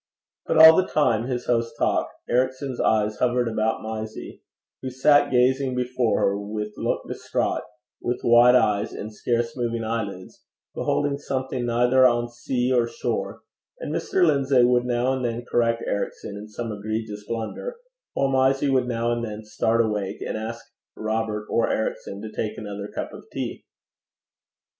But all the time his host talked Ericson's eyes hovered about Mysie, who sat gazing before her with look distraught, with wide eyes and scarce moving eyelids, beholding something neither on sea or shore; and Mr. Lindsay would now and then correct Ericson in some egregious blunder; while Mysie would now and then start awake and ask Robert or Ericson to take another cup of tea.